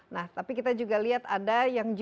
nah tapi kita juga lihat ada yang juga